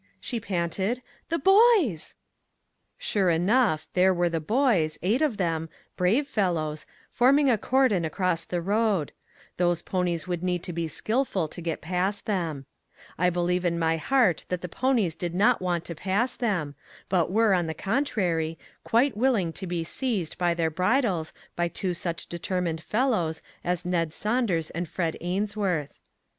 " she panted ;" the boys !" Sure enough, there were the boys, eight of them, brave fellows, forming a cordon across the road ; those ponies would need to be skillful 236 "IF WE ONLY HADN'T' 1 to get past them. I believe in my heart that the ponies did not want to pass them, but were, on the contrary, quite willing to be seized by their bridles by two such determined fellows as Ned Saunders and Fred Ainsworth.